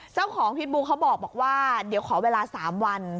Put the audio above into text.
พิษบูเขาบอกว่าเดี๋ยวขอเวลา๓วัน